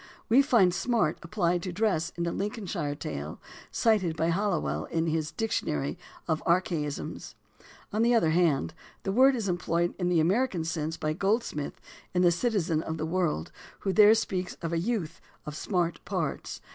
We find "smart" applied to dress in a Lincolnshire Tale, cited by Halliwell in his Dictionary of Archaisms. On the other hand, the word is em ployed in the American sense by Goldsmith in The Citizen of the World (vol. II, p. 153), who there speaks of a "youth of smart parts."